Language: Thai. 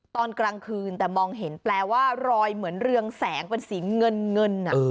ตอนกลางคืนแต่มองเห็นแปลว่ารอยเหมือนเรืองแสงเป็นสีเงินเงิน